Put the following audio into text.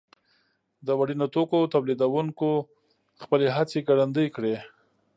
د وړینو توکو تولیدوونکو خپلې هڅې ګړندۍ کړې.